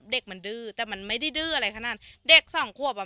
เด็กมันดื้อแต่มันไม่ได้ดื้ออะไรขนาดเด็กสองขวบอ่ะ